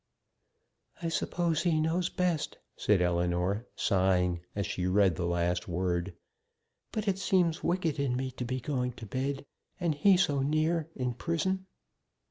"I suppose he knows best," said Ellinor, sighing, as she read the last word. "But it seems wicked in me to be going to bed and he so near, in prison."